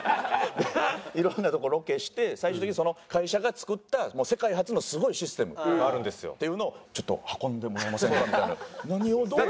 いろんなとこロケして最終的にその会社が作った世界初のすごいシステムがあるんですよっていうのを「ちょっと運んでもらえませんか」みたいな。何をどうしたら。